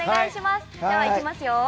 ではいきますよ。